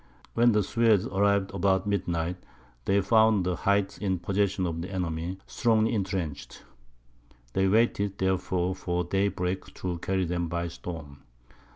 When the Swedes arrived about midnight, they found the heights in possession of the enemy, strongly entrenched. They waited, therefore, for daybreak, to carry them by storm.